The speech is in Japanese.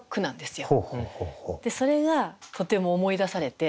それがとても思い出されて。